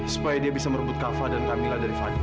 supaya dia bisa merebut kava dan kamila dari fadil